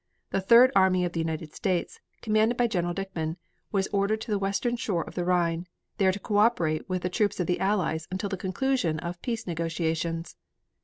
The Third Army of the United States, commanded by General Dickman, was ordered to the western shore of the Rhine, there to co operate with the troops of the Allies until the conclusion of peace negotiations.